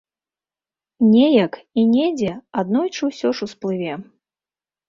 Неяк і недзе аднойчы ўсё ж усплыве.